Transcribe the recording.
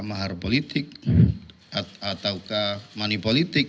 mahar politik ataukah manipolitik